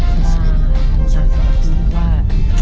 สำหรับพี่ว่า